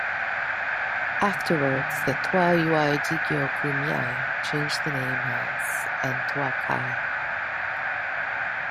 Afterwards, the Toa Yuai Jigyo Kumiai changed the name as and Toa-kai.